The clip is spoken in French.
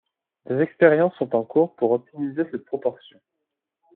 Des expériences sont en cours pour optimiser cette proportion.